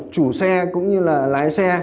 chủ xe cũng như là lái xe